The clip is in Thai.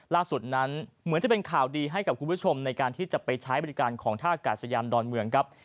ล่าสุดนั้นเหมือนจะเป็นข่าวดีให้กับคุณผู้ชมในการที่จะไปใช้บริการของท่ากาศยานดอนเมืองครับ